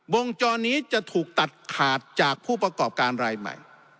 วงจรนี้จะถูกตัดขาดจากผู้ประกอบการรายใหม่